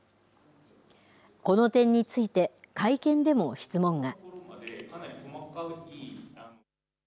この点について会見でも質問が。